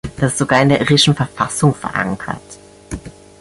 Das ist sogar in der irischen Verfassung verankert.